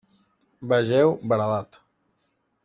Vegeu Baradat.